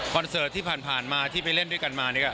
เสิร์ตที่ผ่านมาที่ไปเล่นด้วยกันมาเนี่ย